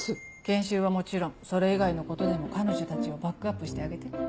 研修はもちろんそれ以外のことでも彼女たちをバックアップしてあげて。